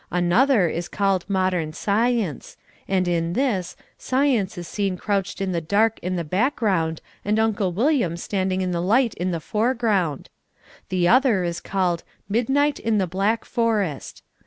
Another is called "Modern Science" and in this Science is seen crouched in the dark in the background and Uncle William standing in the light in the foreground. The other is called "Midnight in the Black Forest."